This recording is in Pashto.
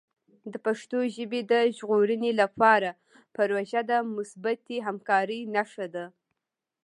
د پښتو ژبې د ژغورنې لپاره پروژه د مثبتې همکارۍ نښه ده.